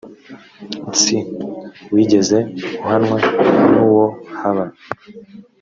nsi wigeze uhwana n uwo haba